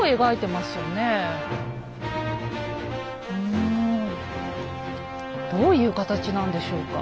うんどういう形なんでしょうか？